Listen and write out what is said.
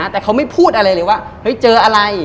แต่เขาไม่พูดอะไรเลยว่าเฮ้ยเจออะไร